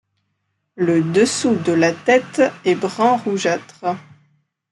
Le dessous de la tête est brun-rougeâtre.